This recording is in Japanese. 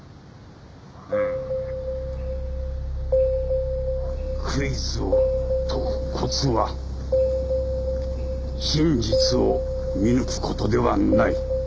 「フッ」クイズを解くコツは真実を見抜く事ではない。